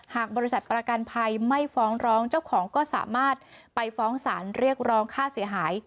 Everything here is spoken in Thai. หากบริษัทประกันภัยไม่ฟ้องร้องเจ้าของก็สามารถไปฟ้องสารเรียกร้องค่าเสียหาย